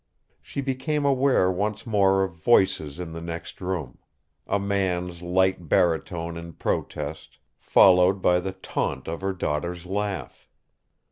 She became aware once more of voices in the next room: a man's light baritone in protest, followed by the taunt of her daughter's laugh.